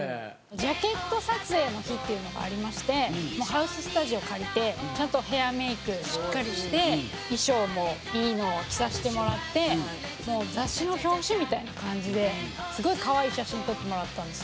ジャケット撮影の日っていうのがありましてハウススタジオ借りてちゃんとヘアメイクしっかりして衣装もいいのを着させてもらって雑誌の表紙みたいな感じですごいかわいい写真撮ってもらったんです。